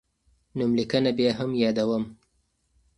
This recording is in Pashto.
نوملیکنه بیا هم یادوم.